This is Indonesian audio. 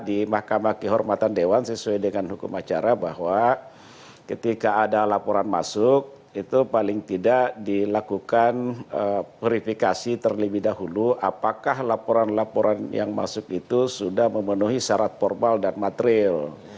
jadi ini mahkamah kehormatan dewan sesuai dengan hukum acara bahwa ketika ada laporan masuk itu paling tidak dilakukan purifikasi terlebih dahulu apakah laporan laporan yang masuk itu sudah memenuhi syarat formal dan matril